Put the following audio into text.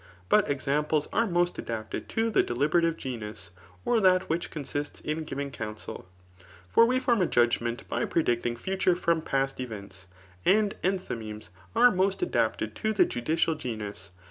But examples are most adapted to the deliberative genus, or that which consists in giving counsel. For we form a judg ment by predicting future from past events. And en tliymemes are most adapted to the judicial genus.